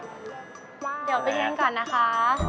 เดี๋ยวไปชิมก่อนนะคะ